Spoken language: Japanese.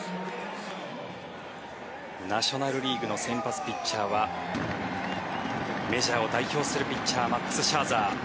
ナショナル・リーグの先発ピッチャーはメジャーを代表するピッチャーマックス・シャーザー。